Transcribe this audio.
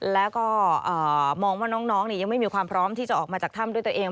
แล้วก็มองว่าน้องยังไม่มีความพร้อมที่จะออกมาจากถ้ำด้วยตัวเอง